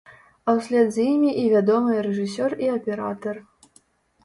А ў след за імі і вядомыя рэжысёр і аператар.